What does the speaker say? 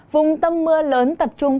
vùng tâm mưa lớn tập trung